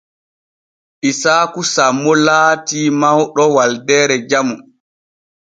Isaaku sammo laati mawɗo waldeere jamu.